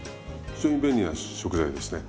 非常に便利な食材ですね。